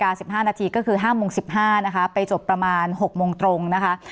๑๗น๑๕นาทีก็คือ๕๑๕นไปจบประมาณ๖นนะคะ